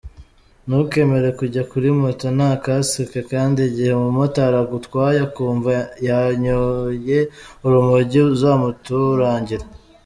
Ntukemere kujya kuri moto nta kasike, kandi igihe umumotari agutwaye ukumva yanyoye urumogi uzamuturangire.